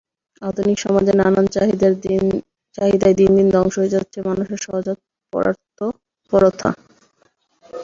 আধুনিক সমাজের নানান চাহিদায় দিন দিন ধ্বংস হয়ে যাচ্ছে মানুষের সহজাত পরার্থপরতা।